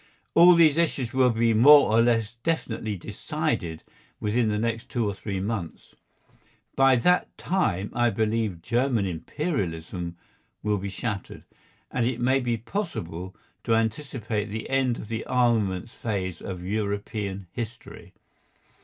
All these issues will be more or less definitely decided within the next two or three months. By that time I believe German Imperialism will be shattered, and it may be possible to anticipate the end of the armaments phase of European history.